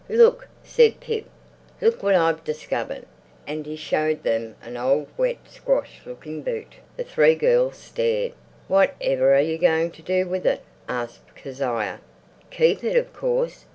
"Look!" said Pip. "Look what I've discovered." And he showed them an old wet, squashed looking boot. The three little girls stared. "Whatever are you going to do with it?" asked Kezia. "Keep it, of course!"